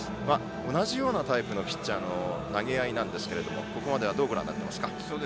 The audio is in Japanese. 同じようなタイプのピッチャーの投げ合いなんですけれどもここまではどうご覧になっていますか。